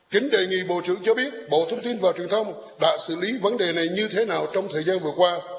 chính đề nghị bộ trưởng cho biết bộ thông tin và truyền thông đã xử lý vấn đề này như thế nào trong thời gian vừa qua